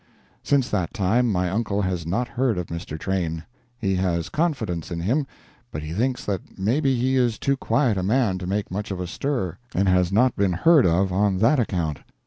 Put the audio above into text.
Since that time my uncle has not heard of Mr. Train. He has confidence in him, but he thinks that maybe he is too quiet a man to make much of a stir, and has not been heard of on that account.